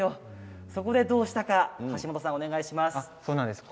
そこでどうしたのか、橋本さんお願いします。